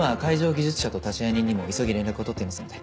技術者と立会人にも急ぎ連絡を取っていますので。